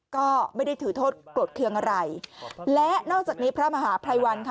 ก็ไม่ได้ถือโทษโกรธเครื่องอะไรและนอกจากนี้พระมหาภัยวันค่ะ